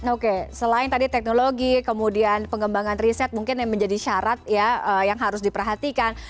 oke selain tadi teknologi kemudian pengembangan riset mungkin yang menjadi syarat ya yang harus diperhatikan